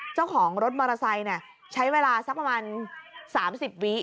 เจ้าของรถมอเตอร์ไซค์ใช้เวลาสักประมาณ๓๐วิ